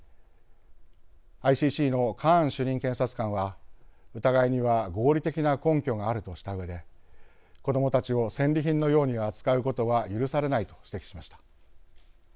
ＩＣＣのカーン主任検察官は疑いには合理的な根拠があるとしたうえで子どもたちを戦利品のように扱うことは許されないと指摘しました。